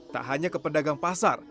tak hanya ke pedagang pasar